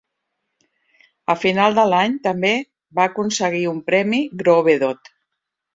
A final de l'any també va aconseguir un premi Grovewood.